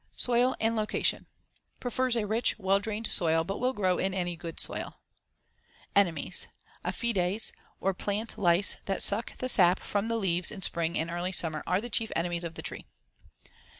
Soil and location: Prefers a rich, well drained soil, but will grow in any good soil. Enemies: Aphides or plant lice that suck the sap from the leaves in spring and early summer are the chief enemies of the tree.